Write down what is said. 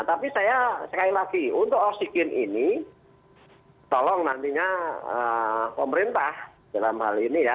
tapi saya sekali lagi untuk oksigen ini tolong nantinya pemerintah dalam hal ini ya